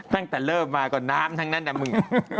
ตั้งแต่เริ่มมาก็น้ำทั้งนั้นนะมึง